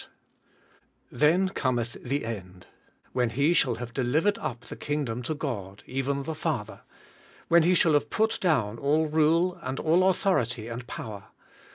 —"T/im comcth the end, when He shall have delivered up the kingdom to God, even the Father; when He shall have put doivn all rule, and all authority and power.